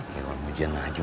kayak orang hujan aja